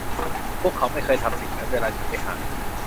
พวกเขาไม่เคยทำสิ่งนั้นเวลาฉันไปหา